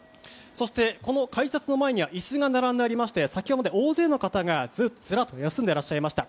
そして、この改札の前には椅子が並んでいまして先ほど大勢の方がずらっと休んでいらっしゃいました。